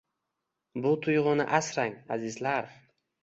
Bu tuyg‘uni asrang, azizlar.